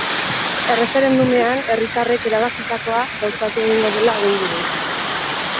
Erreferendumean herritarrek erabakitakoa gauzatu egingo dela agindu du.